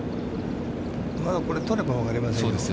これ、取れば分かりませんよ。